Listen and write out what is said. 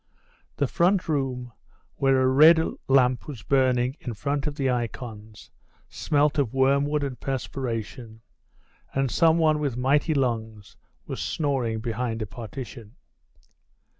The front room, where a red lamp was burning in front of the icons, smelt of wormwood and perspiration, and some one with mighty lungs was snoring behind a partition.